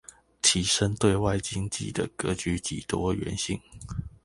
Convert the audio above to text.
提升對外經濟的格局及多元性